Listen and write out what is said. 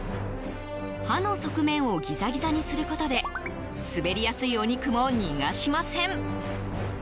刃の側面をギザギザにすることで滑りやすいお肉も逃がしません。